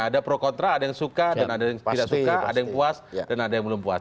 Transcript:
ada pro kontra ada yang suka dan ada yang tidak suka ada yang puas dan ada yang belum puas